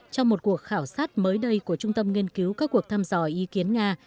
trong một cuộc khảo sát mới đây của trung tâm nghiên cứu các cuộc thăm dò ý kiến nga